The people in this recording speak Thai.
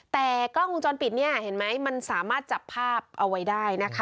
แต่กล้องวงจรปิดเนี่ยเห็นไหมมันสามารถจับภาพเอาไว้ได้นะคะ